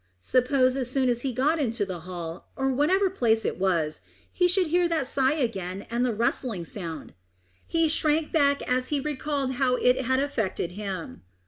Suppose as soon as he got into the hall, or whatever place it was, he should hear that sigh again and the rustling sound? He shrank back as he recalled how it had affected him.